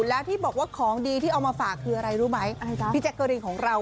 แล้วที่บอกว่าของดีที่เอามาฝากคืออะไรรู้ไหมพี่แจ๊กเกอรีนของเรา